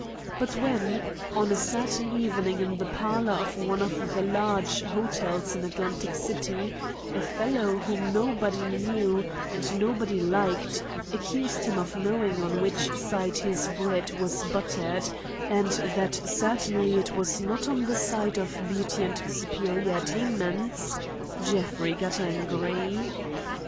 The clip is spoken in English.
But when, on a certain evening in the parlor of one of the large hotels in Atlantic City, a fellow whom nobody knew and nobody liked accused him of knowing on which side his bread was buttered, and that certainly it was not on the side of beauty and superior attainments, Jeffrey got angry.